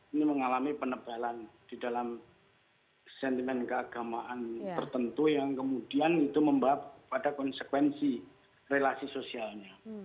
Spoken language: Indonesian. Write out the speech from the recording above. ini mengalami penebalan di dalam sentimen keagamaan tertentu yang kemudian itu membawa pada konsekuensi relasi sosialnya